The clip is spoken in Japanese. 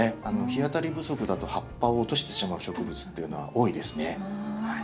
日当たり不足だと葉っぱを落としてしまう植物っていうのは多いですね。